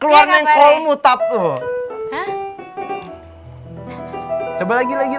keluarin engkol mutafeng subjective inko kamu atau betul ken includes